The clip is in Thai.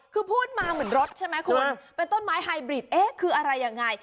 คือพูดมาเหมือนรถใช่ไหมคุณเป็นต้นไม้ไฮบริดเอ๊ะคืออะไรยังไง